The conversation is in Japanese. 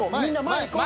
前いこう。